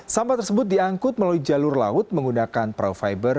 sampah tersebut diangkut melalui jalur laut menggunakan prau fiber